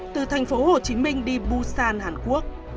từ thành phố hồ chí minh đi busan hàn quốc